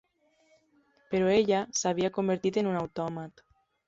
Però ella s'havia convertit en una autòmat.